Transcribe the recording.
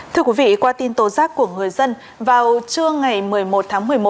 thưa quý vị qua tin tố giác của người dân vào trưa ngày một mươi một tháng một mươi một